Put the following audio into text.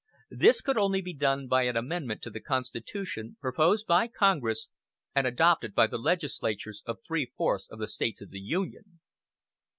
This could only be done by an amendment to the Constitution, proposed by Congress, and adopted by the legislatures of three fourths of the States of the Union.